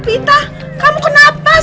kita enakan what's in uuous